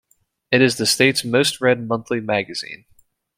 It is the state's most-read monthly magazine.